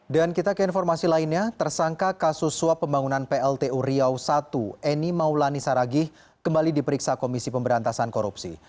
dan kita ke informasi lainnya tersangka kasus suap pembangunan pltu riau satu eni maulani saragih kembali diperiksa komisi pemberantasan korupsi